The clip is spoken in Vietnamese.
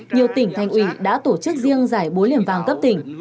nhiều tỉnh thành ủy đã tổ chức riêng giải búa liềm vàng cấp tỉnh